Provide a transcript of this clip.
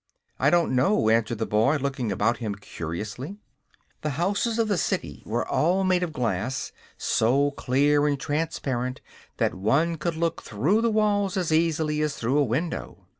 "I don't know," answered the boy, looking around him curiously. The houses of the city were all made of glass, so clear and transparent that one could look through the walls as easily as though a window.